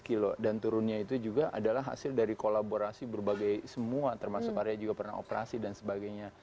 dua puluh kilo dan turunnya itu juga adalah hasil dari kolaborasi berbagai semua termasuk area juga pernah operasi dan sebagainya